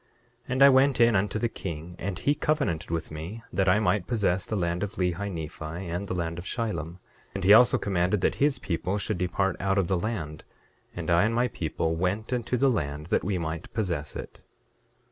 9:6 And I went in unto the king, and he covenanted with me that I might possess the land of Lehi Nephi, and the land of Shilom. 9:7 And he also commanded that his people should depart out of the land, and I and my people went into the land that we might possess it.